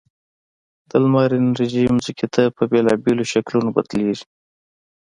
د لمر انرژي ځمکې ته په بېلو شکلونو بدلیږي.